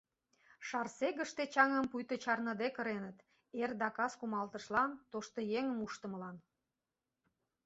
Шарсегыште чаҥым пуйто чарныде кыреныт: эр да кас кумалтышлан, тоштыеҥым уштымылан.